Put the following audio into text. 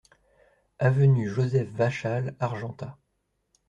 Avenue Joseph Vachal, Argentat